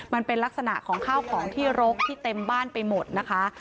มันเป็นลักษณะของข้าวของที่รกที่เต็มบ้านไปหมดนะคะ